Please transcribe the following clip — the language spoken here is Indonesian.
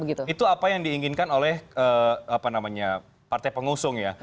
itu apa yang diinginkan oleh partai pengusung ya